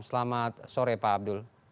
selamat sore pak abdul